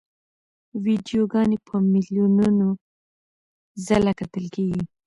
ویډیوګانې په میلیونو ځله کتل کېږي.